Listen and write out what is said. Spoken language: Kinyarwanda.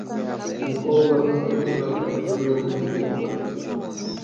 Umukobwa usimbuka umugozi wo gusimbuka